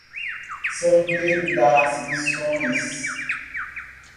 São Pedro das Missões